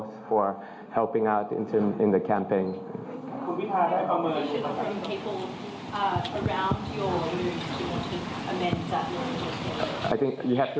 จัดสนับสนุนสงครามส่วนภารกิจประมาณนั้นสำคิดยอดสำคัญ